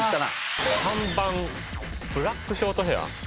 ３番ブラックショートヘア？